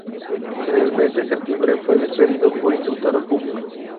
En el mes de septiembre fue despedido por insultar al público.